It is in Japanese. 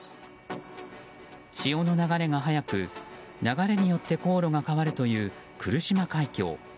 潮の流れが速く、流れによって航路が変わるという来島海峡。